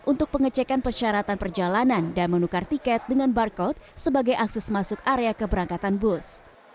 untuk pengecekan persyaratan perjalanan dan menukar tiket dengan barcode sebagai akses masuk area keberangkatan bus